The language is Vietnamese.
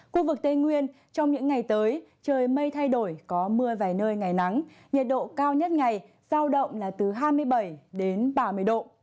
khu vực tây nguyên trong những ngày tới trời mây thay đổi có mưa vài nơi ngày nắng nhiệt độ cao nhất ngày giao động là từ hai mươi bảy đến ba mươi độ